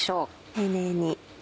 丁寧に。